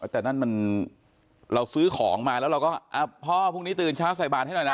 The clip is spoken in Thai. แต่นั่นมันเราซื้อของมาแล้วเราก็พ่อพรุ่งนี้ตื่นเช้าใส่บาทให้หน่อยนะ